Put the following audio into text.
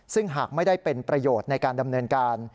ซึ่งหากไม่ได้เป็นประโยชน์ในการดำเนินการ